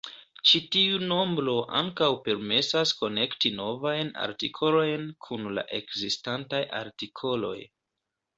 Ĉi tiu nombro ankaŭ permesas konekti novajn artikolojn kun la ekzistantaj artikoloj.